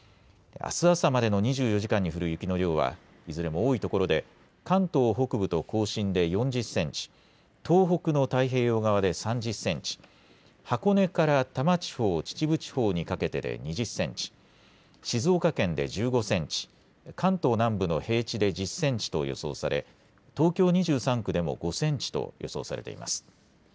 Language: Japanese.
あす朝までの２４時間に降る雪の量はいずれも多いところで関東北部と甲信で４０センチ、東北の太平洋側で３０センチ、箱根から多摩地方、秩父地方にかけてで２０センチ、静岡県で１５センチ、関東南部の平地で１０センチと予想され東京２３区でも５センチと予想されています。